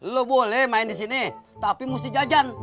lo boleh main di sini tapi mesti jajan